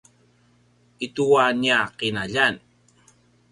i tua nia qinaljan